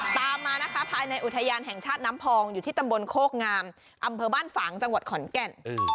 ตามมานะคะภายในอุทยานแห่งชาติน้ำพองอยู่ที่ตำบลโคกงามอำเภอบ้านฝางจังหวัดขอนแก่น